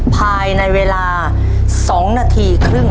ภายในเวลา๒นาทีครึ่ง